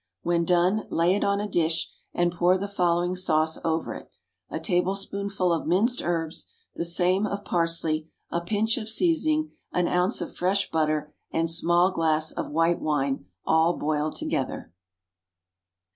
When done, lay it on a dish and pour the following sauce over it: A tablespoonful of minced herbs, the same of parsley, a pinch of seasoning, an ounce of fresh butter, and small glass of white wine all boiled together.